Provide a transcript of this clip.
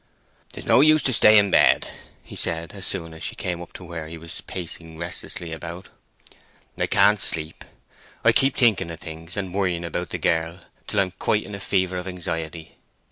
"'Tis no use to stay in bed," he said, as soon as she came up to where he was pacing restlessly about. "I can't sleep—I keep thinking of things, and worrying about the girl, till I'm quite in a fever of anxiety."